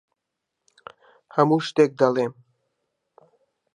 هەموو شتێک دەڵێم.